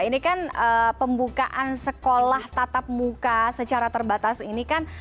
ini kan pembukaan sekolah tatap muka secara terbatas ini kan